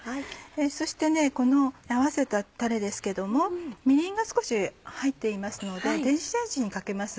そしてこの合わせたたれですけどみりんが少し入っていますので電子レンジにかけます。